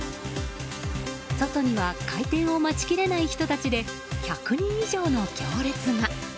外には開店を待ちきれない人たちで１００人以上の行列が。